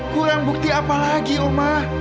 kurang bukti apa lagi oma